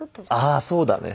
ああーそうだね。